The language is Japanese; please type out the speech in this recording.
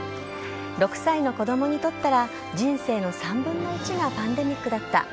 ６歳の子供にとったら人生の３分の１がパンデミックだった。